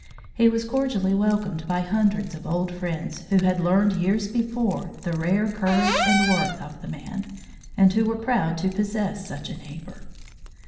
He was cordially welcomed by hundreds of old friends who had learned years before the rare courage and worth of the man, and who were proud to possess such a neighbor.